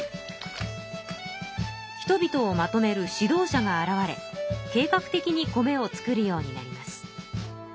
人々をまとめる指導者が現れ計画的に米を作るようになります。